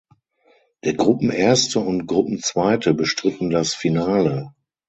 Der Gruppenerste und Gruppenzweite bestritten das Finale.